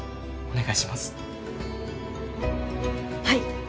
はい。